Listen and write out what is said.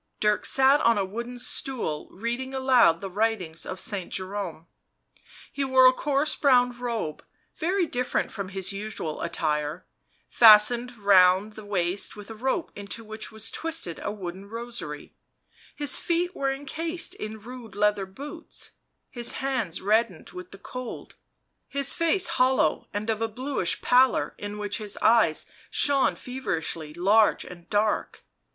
Dirk sat on a broken stool, reading aloud the writings of Saint Jerome. He wore a coarse brown robe, very different from his usual attire, fastened round the waist with a rope into which was twisted a wooden rosary ; his feet were encased in rude leather boots, his hands reddened with the cold, his face hollow and of a bluish pallor in which his eyes shone feverishly large and dark.